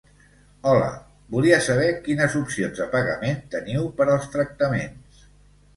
Hola, volia saber quines opcions de pagament teniu per als tractaments?